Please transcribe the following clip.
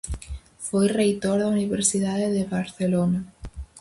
Foi reitor da Universidade de Barcelona.